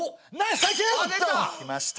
きました。